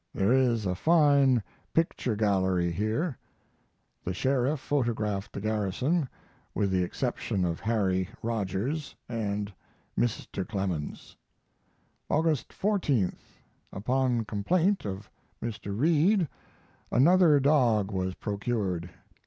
There is a fine picture gallery here; the sheriff photographed the garrison, with the exception of Harry (Rogers) and Mr. Clemens. August 14th. Upon complaint of Mr. Reed another dog was procured.